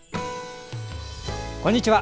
こんにちは。